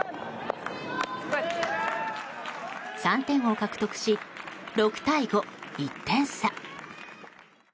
３点を獲得し６対５１点差。